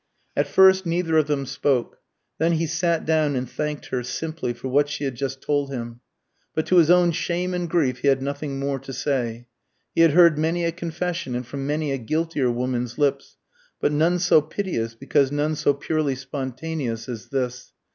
At first neither of them spoke. Then he sat down and thanked her, simply, for what she had just told him. But to his own shame and grief he had nothing more to say. He had heard many a confession, and from many a guiltier woman's lips, but none so piteous, because none so purely spontaneous, as this.